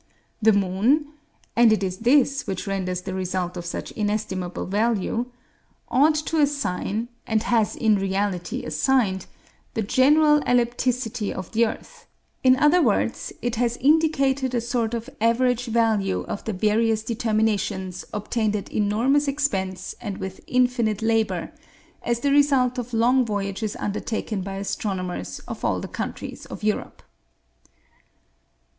The moon (and it is this which renders the result of such inestimable value) ought to assign, and has in reality assigned, the general ellipticity of the earth; in other words, it has indicated a sort of average value of the various determinations obtained at enormous expense, and with infinite labor, as the result of long voyages undertaken by astronomers of all the countries of Europe.